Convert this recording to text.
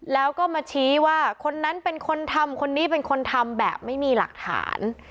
แล้วก็มาชี้ว่าคนนั้นเป็นคนทำคนนี้เป็นคนทำแบบไม่มีหลักฐาน